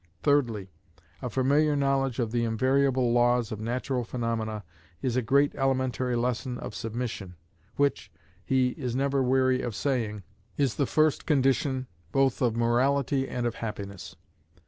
Thirdly, a familiar knowledge of the invariable laws of natural phaenomena is a great elementary lesson of submission, which, he is never weary of saying, is the first condition both of morality and of happiness.